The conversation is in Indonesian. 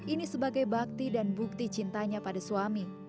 ini sebagai bakti dan bukti cintanya pada suami